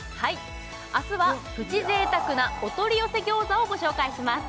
明日はプチ贅沢なお取り寄せ餃子をご紹介します